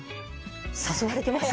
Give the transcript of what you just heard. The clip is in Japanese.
誘われてます？